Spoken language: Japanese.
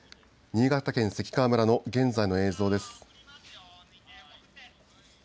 新潟県関川村の現在の映像です。